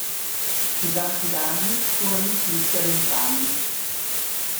Pesanti danni furono inflitti ad entrambi.